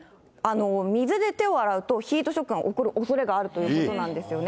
水で手を洗うと、ヒートショックが起こるおそれがあるということなんですよね。